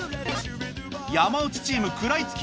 山内チーム食らいつき